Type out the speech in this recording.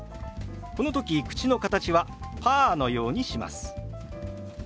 この時口の形はパーのようにします。